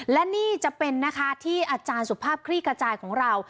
และนี่จะเป็นนะคะที่อาจารย์สุภาพคลี่กระจายของเรา